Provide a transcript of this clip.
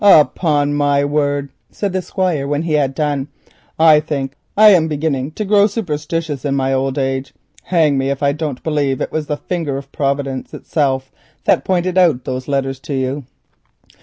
"Upon my word," said the Squire when he had done, "I think I am beginning to grow superstitious in my old age. Hang me if I don't believe it was the finger of Providence itself that pointed out those letters to you.